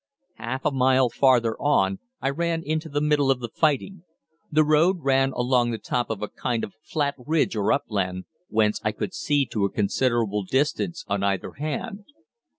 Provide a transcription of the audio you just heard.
Half a mile farther on I ran into the middle of the fighting. The road ran along the top of a kind of flat ridge or upland, whence I could see to a considerable distance on either hand.